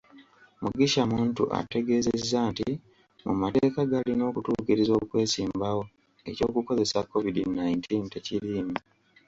Mugisha Muntu ategeezezza nti mu mateeka g'alina okutuukiriza okwesimbawo, ekyokukebeza Covid nineteen tekiriimu.